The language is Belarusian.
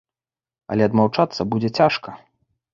Але адмаўчацца будзе цяжка.